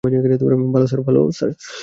ভালো, স্যার।